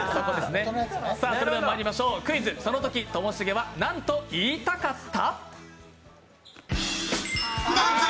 それではまいりましょう、クイズ「そのとき、ともしげは何と言いたかった？」